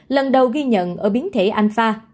lần đầu ghi nhận ở biến thể alpha